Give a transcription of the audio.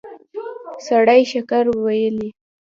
سړی شکر ویلی.